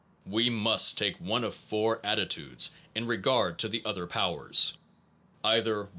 We must take one of four attitudes in regard to the other powers : either 1.